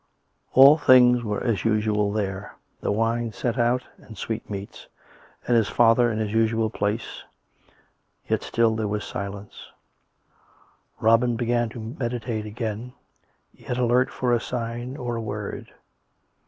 All things were as usual there — the wine set out and the sweetmeats, and his father in his usual place. Yet still there was silence. J 14 COME RACK! COME ROPE! Robin began to meditate again, yet alert for a sign or a word.